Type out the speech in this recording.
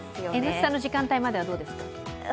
「Ｎスタ」の時間帯まではどうですか？